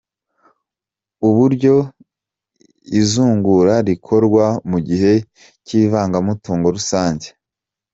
Uburyo izungura rikorwa mu gihe cy’ivangamutungo rusange.